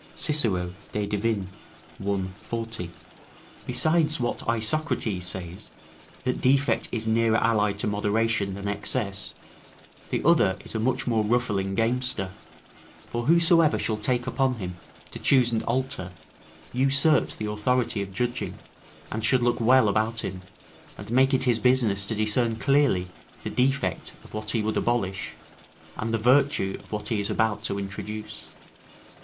Cicero, De Divin., i. 40.] besides what Isocrates says, that defect is nearer allied to moderation than excess: the other is a much more ruffling gamester; for whosoever shall take upon him to choose and alter, usurps the authority of judging, and should look well about him, and make it his business to discern clearly the defect of what he would abolish, and the virtue of what he is about to introduce.